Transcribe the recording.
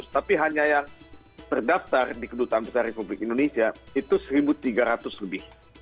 tapi hanya yang terdaftar di kedutaan besar republik indonesia itu satu tiga ratus lebih